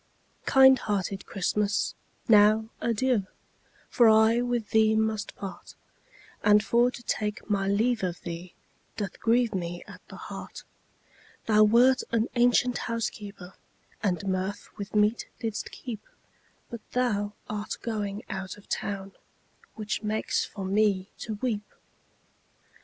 Kind hearted Christmas, now adieu, For I with thee must part, And for to take my leave of thee Doth grieve me at the heart; Thou wert an ancient housekeeper, And mirth with meat didst keep, But thou art going out of town, Which makes me for to weep.